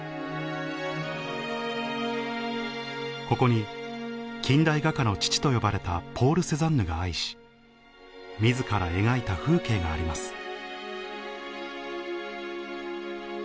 ここに近代画家の父と呼ばれたポール・セザンヌが愛し自ら描いた風景があります